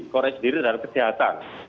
koreksi diri dan kesehatan